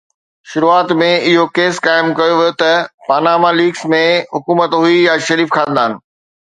شروعات ۾ اهو ڪيس قائم ڪيو ويو ته پاناما ليڪس ۾ حڪومت هئي يا شريف خاندان